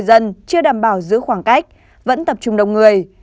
đảm bảo giữ khoảng cách vẫn tập trung đông người